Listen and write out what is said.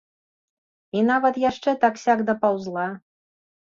І нават яшчэ так-сяк дапаўзла.